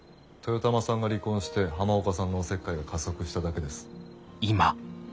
豊玉さんが離婚して浜岡さんのお節介が加速しただけです。